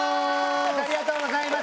ありがとうございます！